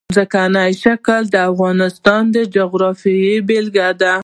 ځمکنی شکل د افغانستان د جغرافیې بېلګه ده.